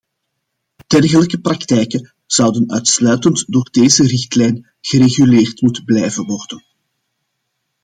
Dergelijke praktijken zouden uitsluitend door deze richtlijn gereguleerd moeten blijven worden.